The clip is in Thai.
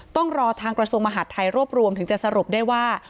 ต้องรอทางกระทรวงมหาดไทยรวบรวมถึงจะสรุปได้ว่า